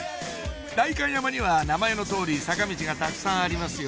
代官山には名前の通り坂道がたくさんありますよ